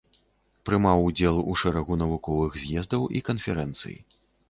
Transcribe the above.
Прымаў удзел у шэрагу навуковых з'ездаў і канферэнцый.